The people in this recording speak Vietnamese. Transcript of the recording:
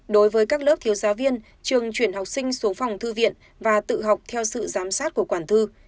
đối với các lớp thiếu giáo viên trường chuyển học sinh xuống phòng thư viện và tự học theo sự giám sát của quản thư